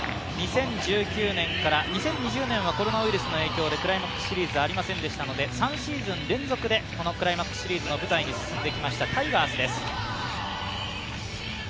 ２０１９年から２０２０年はコロナウイルスの影響でクライマックスシリーズはありませんでしたので、３シーズン連続で、このクライマックスシリーズの舞台に進んできましたタイガースです。